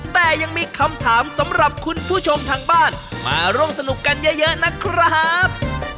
แต่ยังมีคำถามสำหรับคุณผู้ชมทางบ้านมาร่วมสนุกกันเยอะนะครับ